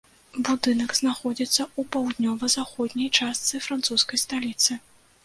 Будынак знаходзіцца ў паўднёва-заходняй частцы французскай сталіцы.